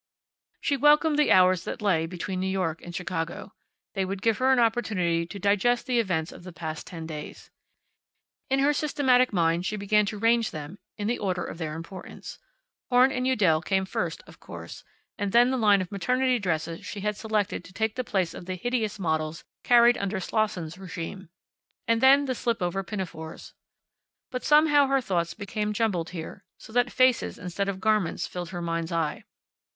She welcomed the hours that lay between New York and Chicago. They would give her an opportunity to digest the events of the past ten days. In her systematic mind she began to range them in the order of their importance. Horn & Udell came first, of course, and then the line of maternity dresses she had selected to take the place of the hideous models carried under Slosson's regime. And then the slip over pinafores. But somehow her thoughts became jumbled here, so that faces instead of garments filled her mind's eye.